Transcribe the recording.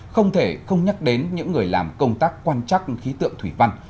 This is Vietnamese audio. không thể không nhắc đến những người làm công tác quan trắc khí tượng thủy văn